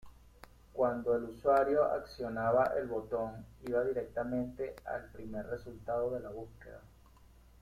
Cuando el usuario accionaba el botón, iba directamente al primer resultado de la búsqueda.